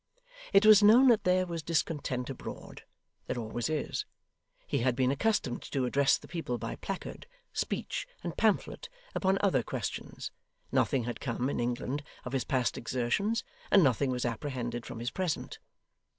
It was known that there was discontent abroad there always is; he had been accustomed to address the people by placard, speech, and pamphlet, upon other questions; nothing had come, in England, of his past exertions, and nothing was apprehended from his present.